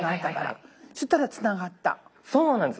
そうなんです。